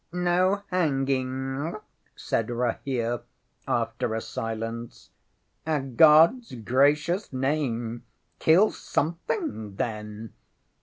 No hanging? ŌĆØ said Rahere, after a silence. ŌĆ£AŌĆÖ GodŌĆÖs Gracious Name, kill something, then!